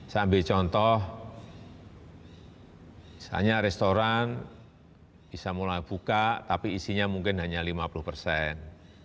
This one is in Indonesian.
saya ambil contoh misalnya restoran bisa mulai buka tapi isinya mungkin hanya lima puluh persen